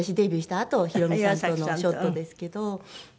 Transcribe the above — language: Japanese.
あと宏美さんとのショットですけど。